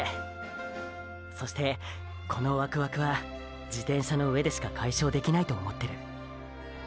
そしてこのワクワクは自転車の上でしか解消できないと思ってる。